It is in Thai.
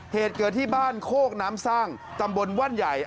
เหตุเกิดที่บ้านโคกน้ำสร้างตำบลว่านใหญ่